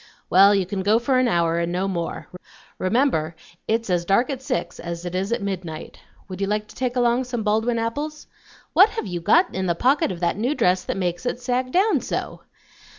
Well, you can go for an hour, and no more. Remember it's as dark at six as it is at midnight Would you like to take along some Baldwin apples? What have you got in the pocket of that new dress that makes it sag down so?"